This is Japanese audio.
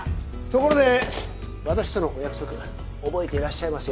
ところで私とのお約束覚えていらっしゃいますよね？